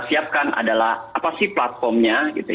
siapkan adalah apa sih platformnya